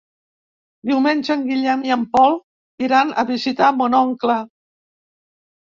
Diumenge en Guillem i en Pol iran a visitar mon oncle.